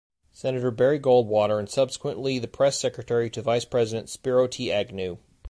Senator Barry Goldwater and subsequently the press secretary to Vice President, Spiro T. Agnew.